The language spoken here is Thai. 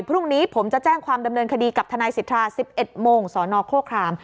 พรุ่งนี้ผมจะแจ้งความดำเนินคดีกับทนายสิทธา๑๑โมงสนโฆคราม